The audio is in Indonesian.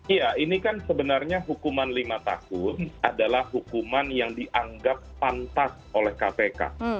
iya ini kan sebenarnya hukuman lima tahun adalah hukuman yang dianggap pantas oleh kpk